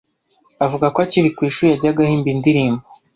avuga ko akiri ku ishuri yajyaga ahimba indirimbo,